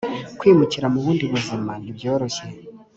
kwimukira mu bundi buzima nti byoroshye